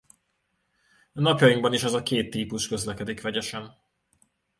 Napjainkban is ez a két típus közlekedik vegyesen.